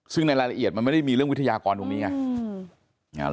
ซึ่งในรายละเอียดมันไม่ได้มีเรื่องวิทยากรตรงนี้ไง